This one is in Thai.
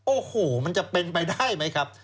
โอ้โหมันจะเป็นไปได้ไหมครับ